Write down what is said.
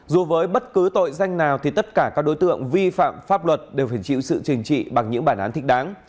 dù với bất cứ tội danh nào thì tất cả các đối tượng vi phạm pháp luật đều phải chịu sự trình trị bằng những bản án thích đáng